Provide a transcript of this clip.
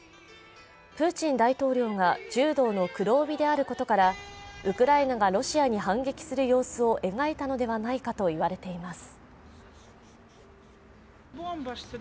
プーチン大統領が柔道の黒帯であることからウクライナがロシアに反撃する様子を描いたのではないかと言われています。